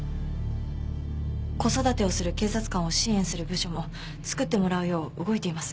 子育てをする警察官を支援する部署もつくってもらうよう動いています。